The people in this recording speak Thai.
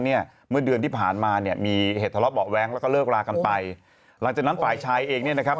โหยเอาควายก่อนเลยหรือครับเดี๋ยวพี่ครับ